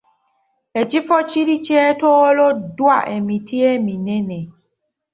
Ekifo kiri kyetooloddwa emiti eminene.